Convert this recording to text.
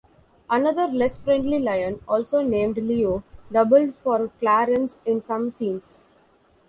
Another less-friendly lion, also named Leo, doubled for Clarence in some scenes.